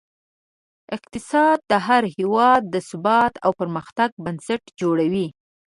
اقتصاد د هر هېواد د ثبات او پرمختګ بنسټ جوړوي.